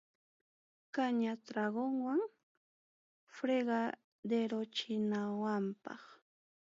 Caña tragonwan fregaderochiwanampaq.